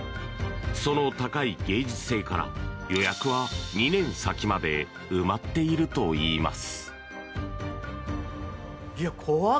その高い芸術性から予約は２年先まで埋まっているといいます。